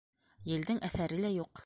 Елдең әҫәре лә юҡ.